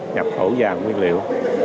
nhập khẩu vàng nguyên liệu